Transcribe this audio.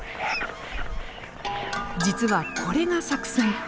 実はこれが作戦。